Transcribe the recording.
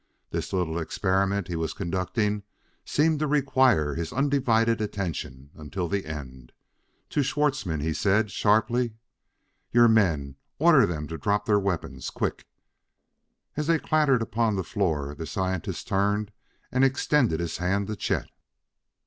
This little experiment he was conducting seemed to require his undivided attention until the end. To Schwartzmann he said sharply: "Your men order them to drop their weapons. Quick!" As they clattered upon the floor the scientist turned and extended his hand to Chet.